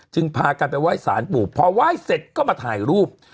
พากันไปไหว้สารปู่พอไหว้เสร็จก็มาถ่ายรูป